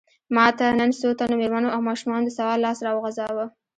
ماته نن څو تنو مېرمنو او ماشومانو د سوال لاس راوغځاوه.